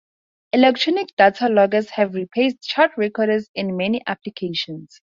Electronic data loggers have replaced chart recorders in many applications.